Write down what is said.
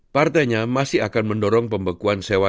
partainya masih akan mendorong pembekuan sewa